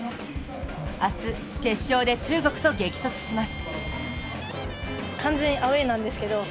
明日、決勝で中国と激突します。